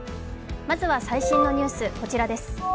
まずは最新のニュース、こちらです。